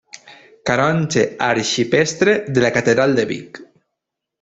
Canonge arxipreste de la catedral de Vic.